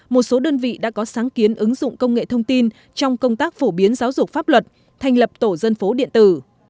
một số đơn vị đã có sáng kiến ứng dụng công nghệ thông tin trong công tác phổ biến giáo dục pháp luật thành lập tổ dân phố điện tử